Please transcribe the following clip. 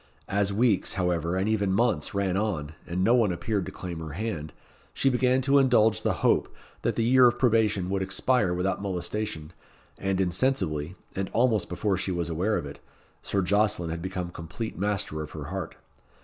As weeks, however, and even months, ran on, and no one appeared to claim her hand, she began to indulge the hope that the year of probation would expire without molestation, and insensibly, and almost before she was aware of it, Sir Jocelyn had become complete master of her heart.